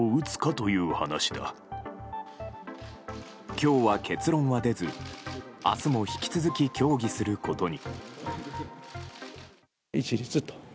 今日は結論は出ず明日も引き続き協議することに。